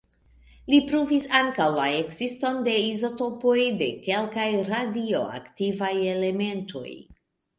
Li pruvis ankaŭ la ekziston de izotopoj de kelkaj radioaktivaj elementoj.